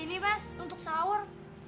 ini mas untuk sahur